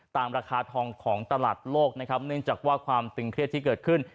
ราคาทองของตลาดโลกนะครับเนื่องจากว่าความตึงเครียดที่เกิดขึ้น